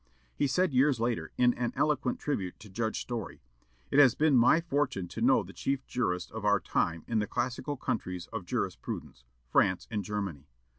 He said, years later, in an eloquent tribute to Judge Story: "It has been my fortune to know the chief jurists of our time in the classical countries of jurisprudence, France and Germany.